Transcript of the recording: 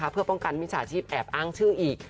เพื่อป้องกันมิจฉาชีพแอบอ้างชื่ออีก